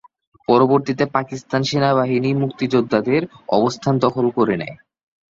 পরবর্তীতে পাকিস্তান সেনাবাহিনী মুক্তিযোদ্ধাদের অবস্থান দখল করে নেয়।